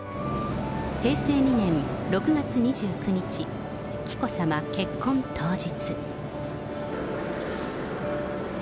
平成２年６月２９日、紀子さま結婚当日。